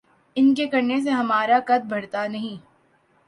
ان کے کرنے سے ہمارا قد بڑھتا نہیں۔